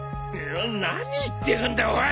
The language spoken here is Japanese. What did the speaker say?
何言ってやがんだおい。